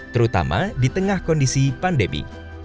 terutama di tengah kondisi pandemi